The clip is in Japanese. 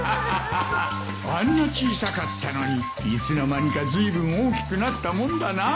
あんな小さかったのにいつの間にかずいぶん大きくなったもんだなあ。